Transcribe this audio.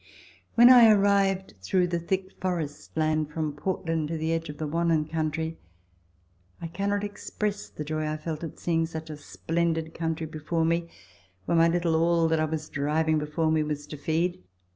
When I arrived through the thick forest land from Portland to the edge of the Wannon country, I cannot express the joy I felt at seeing such a splendid country before me where my little all that I was driving before me was to feed.